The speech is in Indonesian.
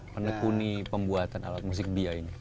menekuni pembuatan alat musik bia ini